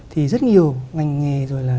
thì rất nhiều ngành nghề rồi là